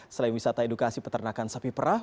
selain wisata edukasi peternakan sapi perah